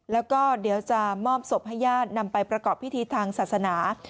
แล้วก็เดี๋ยวจะมอบศพให้ญาตินำไปประกอบพิธีทางศาสนา